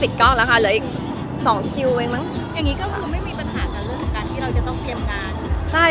พอดีเลย